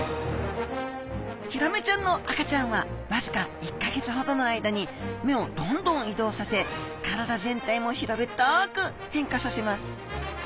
ヒラメちゃんの赤ちゃんはわずか１か月ほどの間に目をどんどん移動させ体全体も平べったく変化させます。